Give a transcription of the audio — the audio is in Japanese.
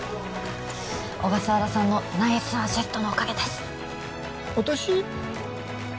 小笠原さんのナイスアシストのおかげです私？